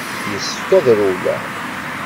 Yessefk ad rewleɣ.